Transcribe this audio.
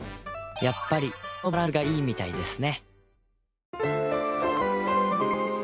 やっぱりこのバランスがいいみたいですね